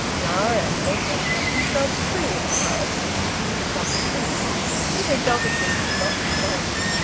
Clara and Edwin felt themselves free of piety till six o'clock at least, and they doggedly would not respond.